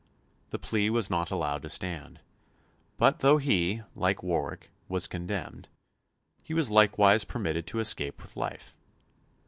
The plea was not allowed to stand, but though he, like Warwick, was condemned, he was likewise permitted to escape with life.